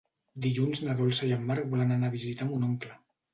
Dilluns na Dolça i en Marc volen anar a visitar mon oncle.